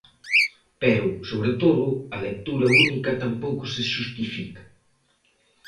Pero, sobre todo, a lectura única tampouco se xustifica.